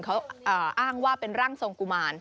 เขาอ้างว่าเป็นร่างทรงกุมาร